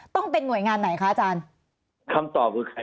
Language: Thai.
ต้องเป็นหน่วยงานไหนคะอาจารย์